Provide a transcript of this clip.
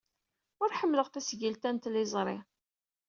Ur ḥemmleɣ tasgilt-a n tliẓri.